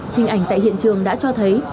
hình ảnh tại hiện trường đã cho thấy